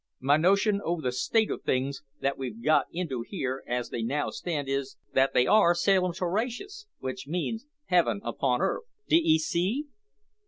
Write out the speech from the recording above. My notion o' the state o' things that we've got into here, as they now stand, is, that they are sailumterracious, which means heaven upon earth, d'ee see?"